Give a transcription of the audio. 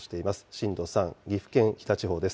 震度３、岐阜県飛騨地方です。